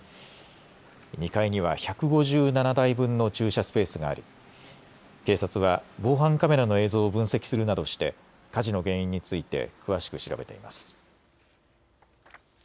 ２階には１５７台分の駐車スペースがあり警察は防犯カメラの映像を分析するなどして火事の原因について詳しく調べています。